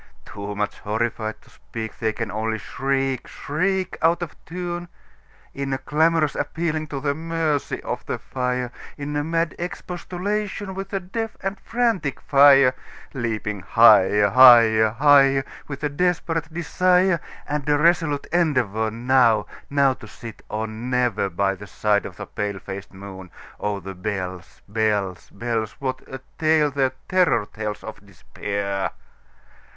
Too much horrified to speak, They can only shriek, shriek, Out of tune, In a clamorous appealing to the mercy of the fire, In a mad expostulation with the deaf and frantic fire, Leaping higher, higher, higher, With a desperate desire, And a resolute endeavorNow—now to sit or never, By the side of the pale faced moon. Oh, the bells, bells, bells! What a tale their terror tellsOf Despair!